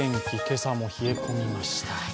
今朝も冷え込みました。